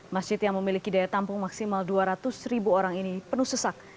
masjid yang memiliki daya tampung maksimal dua ratus ribu orang ini penuh sesak